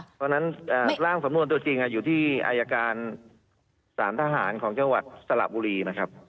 เพราะฉะนั้นร่างสำนวนตัวจริงอยู่ที่อายการสารทหารของจังหวัดสระบุรีนะครับ